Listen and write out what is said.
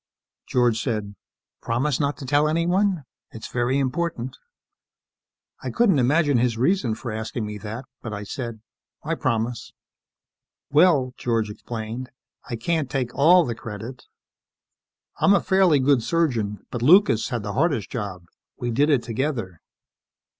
George said, "Promise not to tell anyone? It's very important." I couldn't imagine his reason for asking me that, but I said, "I promise." "Well," George explained, "I can't take all the credit. I'm a fairly good surgeon, but Lucas had the hardest job. We did it together.